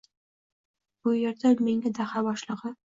Bu yerda menga daha boshlig’i.